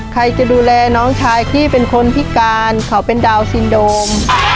ใครจะดูแลน้องชายที่เป็นคนพิการเขาเป็นดาวนซินโดม